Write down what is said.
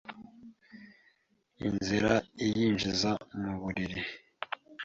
inzira iyinjiza mu mubiri